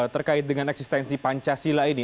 terkait dengan eksistensi pancasila ini